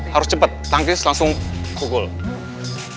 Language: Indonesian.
harus cepet tangkis langsung pukulannya